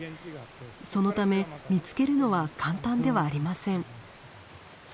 そのため見つけるのは簡単ではありません。